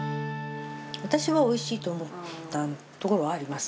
私はおいしいと思う、ところはあります。